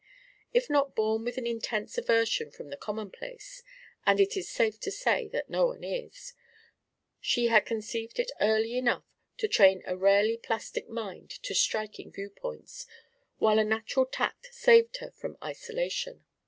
If not born with an intense aversion from the commonplace (and it is safe to say that no one is), she had conceived it early enough to train a rarely plastic mind to striking viewpoints, while a natural tact saved her from isolation.